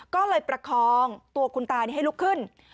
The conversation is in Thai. ก็เลยประคองตัวคุณตาให้ลุกขึ้น